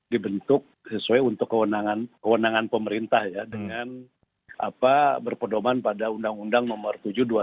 dibentuk sesuai untuk kewenangan pemerintah ya dengan berpedoman pada undang undang nomor tujuh dua ribu dua puluh